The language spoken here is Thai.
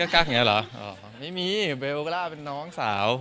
กลักอะไรกันอยู่แล้วกับเบลล่า